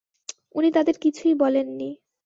উনি তাদের কিছুই বলেননি।